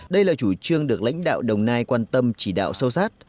đây là chủ trương được lãnh đạo đồng nai quan tâm chỉ đạo sâu sát